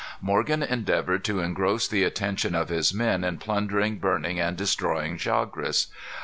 Morgan endeavored to engross the attention of his men in plundering, burning, and destroying Chagres.